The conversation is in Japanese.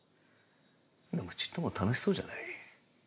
でもちっとも楽しそうじゃない。